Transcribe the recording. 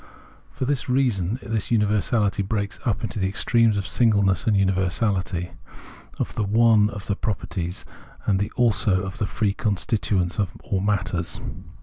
For that reason this universality breaks up into the extremes of singleness and universality, of the " one " of the properties and the " also " of the free constituents or "matters."